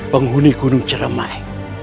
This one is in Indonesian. penghuni gunung ciremai